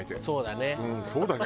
「そうだね」